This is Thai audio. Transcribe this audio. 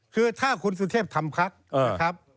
คือถ้าคุณสูตรเทพทำคลัก